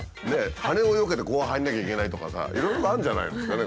羽をよけてこう入らなきゃいけないとかさいろいろとあるんじゃないですかね